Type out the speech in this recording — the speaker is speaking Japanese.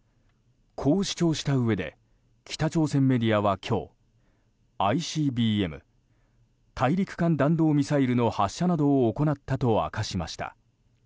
こう主張したうえで北朝鮮メディアは今日ＩＣＢＭ・大陸間弾道ミサイルの発射などを行ったと明かしました。